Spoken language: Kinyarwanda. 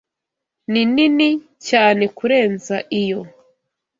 Ninini cyane kurenza iyo